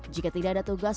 jika tidak ada tugas